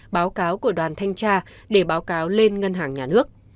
báo cáo của đoàn thanh tra để báo cáo lên ngân hàng nhà nước